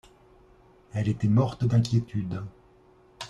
Elle était morte d'inquiétude.